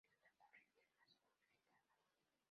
Es una corriente más unificada.